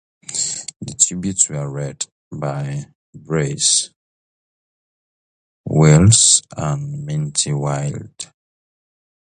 Tributes were read by Bruce Welch and Marty Wilde.